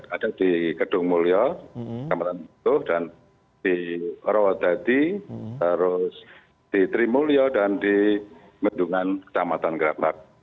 ada di kedung mulyo kedung mulyo dan di orowodadi di trimulyo dan di mendungan kecamatan geraklak